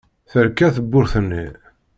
Terka tewwurt-nni.